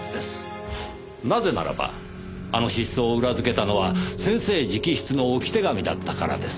なぜならばあの失踪を裏付けたのは先生直筆の置き手紙だったからです。